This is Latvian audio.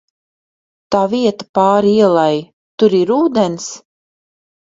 Tā vieta pāri ielai, tur ir ūdens?